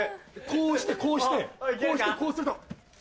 こうしてこうしてこうしてこうすると。